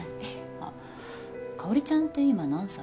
あ香ちゃんって今何歳？